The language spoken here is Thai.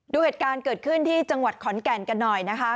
ดูเหตุการณ์เกิดขึ้นที่จังหวัดขอนแก่นกันหน่อยนะคะ